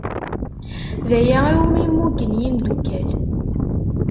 D aya iwmi mmugen yimdukal.